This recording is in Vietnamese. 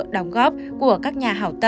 đồng góp của các nhà hào tư